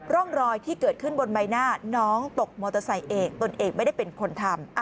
ร่องรอยที่เกิดขึ้นบนใบหน้าน้องตกมอเตอร์ไซค์เอกตนเอกไม่ได้เป็นคนทำ